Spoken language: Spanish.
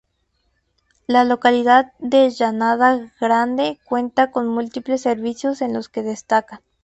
La localidad de Llanada grande cuenta con múltiples servicios en los que destacan.